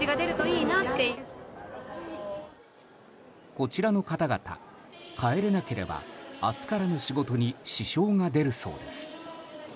こちらの方々、帰れなければ明日からの仕事に支障が出るそうです。